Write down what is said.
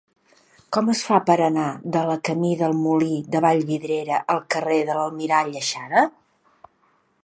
Com es fa per anar de la camí del Molí de Vallvidrera al carrer de l'Almirall Aixada?